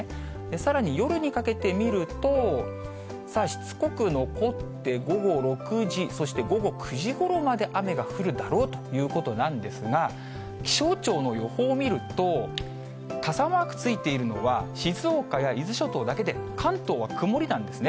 さらに夜にかけて見ると、しつこく残って、午後６時、そして午後９時ごろまで雨が降るだろうということなんですが、気象庁の予報を見ると、傘マークついているのは、静岡や伊豆諸島だけで、関東は曇りなんですね。